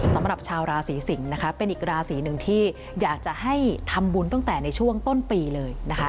สำหรับชาวราศีสิงศ์นะคะเป็นอีกราศีหนึ่งที่อยากจะให้ทำบุญตั้งแต่ในช่วงต้นปีเลยนะคะ